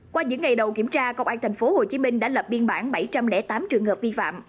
qua những ngày đầu kiểm tra công an tp hcm đã lập biên bản bảy trăm linh tám trường hợp vi phạm